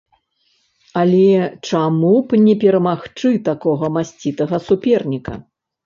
Але чаму б не перамагчы такога масцітага суперніка!